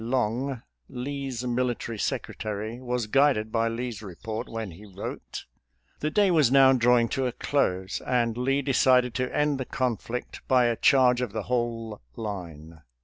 Long, Lee's military sec retary, was guided by Lee's report when he wrote :" The day was now drawing to a close, and Lee decided to end the conflict by a charge of the whole line.